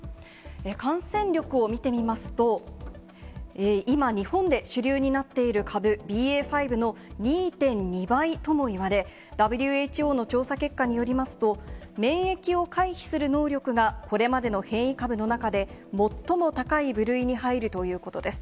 感染力を見てみますと、今、日本で主流になっている株、ＢＡ．５の２．２倍ともいわれ、ＷＨＯの調査結果によりますと、免疫を回避する能力が、これまでの変異株の中で、最も高い部類に入るということです。